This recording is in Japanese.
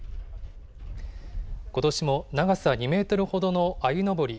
ことしも長さ２メートルほどのあゆのぼり